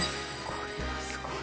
これはすごい。